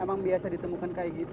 emang biasa ditemukan kayak gitu